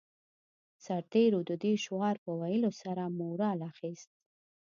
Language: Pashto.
سرتېرو د دې شعار په ويلو سره مورال اخیست